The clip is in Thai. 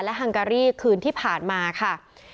ฮังการีคืนที่ผ่านมาค่ะ